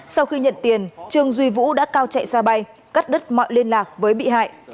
sau khi nhận tiền trương duy vũ đã cao chạy ra bay cắt đứt mọi liên lạc với bị hại